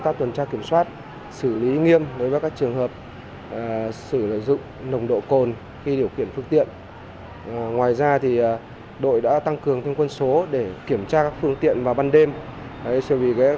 phạt tiền hơn sáu trăm linh triệu đồng